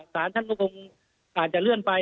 สาหรัฐเช่นมาคงอาจจะเลื่อนไป